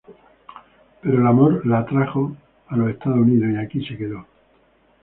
Pero el amor la trajo a los Estados Unidos y aquí se quedó.